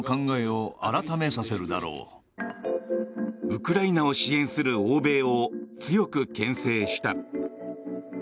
ウクライナを支援する欧米を強く牽制した。